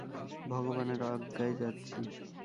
ভগবানের আজ্ঞায় যাচ্ছি।